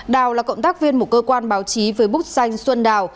đào là cộng tác viên một cơ quan báo chí với bức danh xuân đào